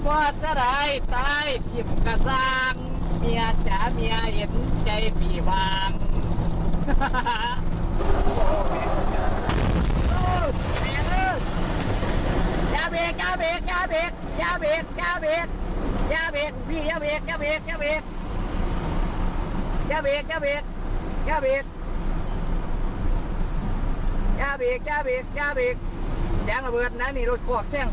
โอ้โหย่าเบีก